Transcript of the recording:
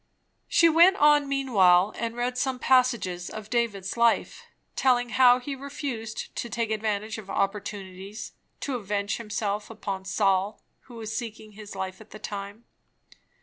She went on, meanwhile, and read some passages of David's life; telling how he refused to take advantage of opportunities to avenge himself upon Saul, who was seeking his life at the time.